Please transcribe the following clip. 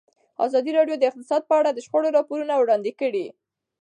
ازادي راډیو د اقتصاد په اړه د شخړو راپورونه وړاندې کړي.